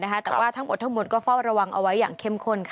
แต่ว่าทั้งหมดทั้งหมดก็เฝ้าระวังเอาไว้อย่างเข้มข้น